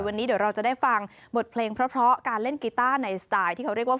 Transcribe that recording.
วันนี้เดี๋ยวเราจะได้ฟังบทเพลงเพราะการเล่นกีต้าในสไตล์ที่เขาเรียกว่า